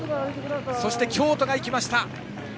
そして京都が行きました。